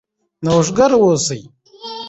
نوښتګر اوسئ.